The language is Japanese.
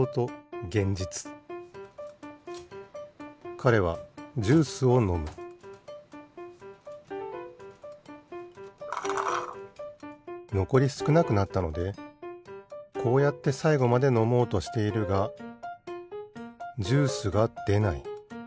かれはジュースをのむのこりすくなくなったのでこうやってさいごまでのもうとしているがジュースがでない。